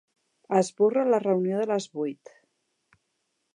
Esborra la reunió de les vuit.